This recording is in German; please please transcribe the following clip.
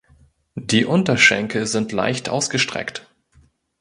Die Unterschenkel sind leicht ausgestreckt.